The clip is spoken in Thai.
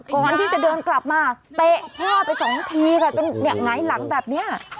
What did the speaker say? ก่อนที่จะเดินกลับมาเตะพ่อไป๒ทีจนหายหลังแบบนี้